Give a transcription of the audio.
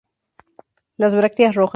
Las brácteas rojas.